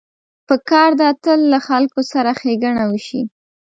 پکار ده تل له خلکو سره ښېګڼه وشي.